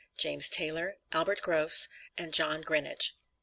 JAMES TAYLOR, ALBERT GROSS, AND JOHN GRINAGE.